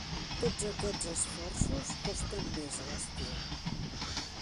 Tots aquests esforços costen més a l'estiu